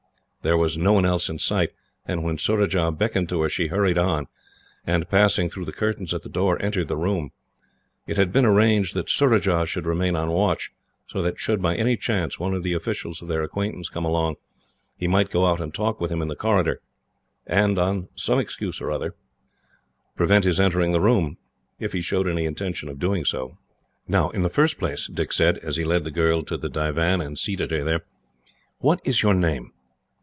There was no one else in sight, and when Surajah beckoned to her, she hurried on, and, passing through the curtains at the door, entered the room. It had been arranged that Surajah should remain on watch, so that should, by any chance, one of the officials of their acquaintance come along, he might go out and talk with him in the corridor, and, on some excuse or other, prevent his entering the room, if he showed any intention of doing so. "Now, in the first place," Dick said, as he led the girl to the divan and seated her there, "what is your name?"